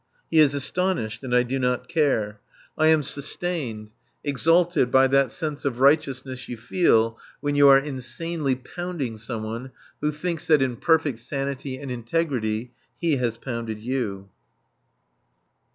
He is astonished. And I do not care. I am sustained, exalted by that sense of righteousness you feel when you are insanely pounding somebody who thinks that in perfect sanity and integrity he has pounded you.